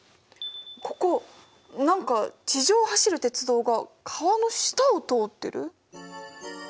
ここ何か地上を走る鉄道が川の下を通ってる？